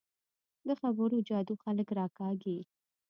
د خبرو جادو خلک راکاږي